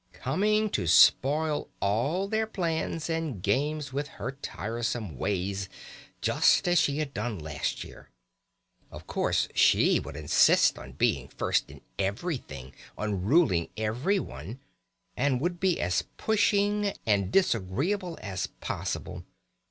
Coming to spoil all their plans and games with her tiresome ways, just as she had done last year. Of course she would insist on being first in everything, on ruling everyone, and would be as pushing and disagreeable as possible.